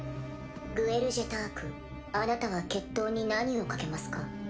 グエル・ジェタークあなたは決闘に何を賭けますか？